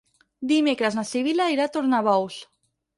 Dimecres na Sibil·la irà a Tornabous.